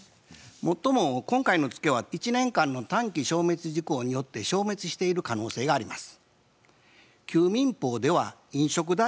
もっとも今回のツケは１年間の短期消滅時効によって消滅している可能性があります。